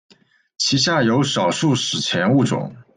其下有少数史前物种。